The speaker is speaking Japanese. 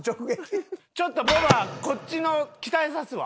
ちょっと母場こっちの鍛えさすわ。